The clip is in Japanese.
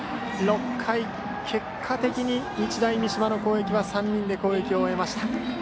６回、結果的に日大三島の攻撃は３人で攻撃を終えました。